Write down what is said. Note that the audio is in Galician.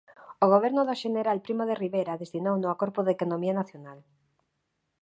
O Goberno do Xeneral Primo de Rivera destinouno ao corpo de Economía Nacional.